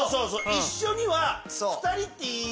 「一緒に」は。